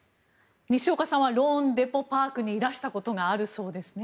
西岡さんはローンデポ・パークにいらしたことがあるそうですね。